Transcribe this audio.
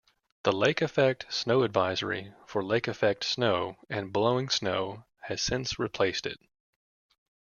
The Lake-Effect Snow Advisory for Lake-Effect Snow and Blowing Snow has since replaced it.